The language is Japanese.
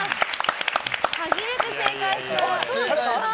初めて正解した！